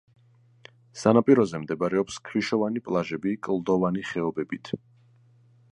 სანაპიროზე მდებარეობს ქვიშოვანი პლაჟები კლდოვანი ხეობებით.